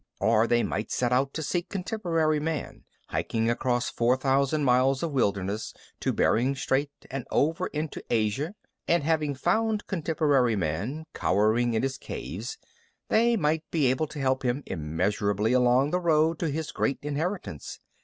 Or they might set out to seek contemporary Man, hiking across four thousand miles of wilderness to Bering Strait and over into Asia. And having found contemporary Man cowering in his caves, they might be able to help him immeasurably along the road to his great inheritance.